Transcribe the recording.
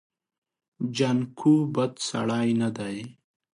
جانکو بد سړی نه دی.